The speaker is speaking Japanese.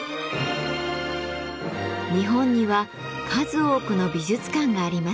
日本には数多くの美術館があります。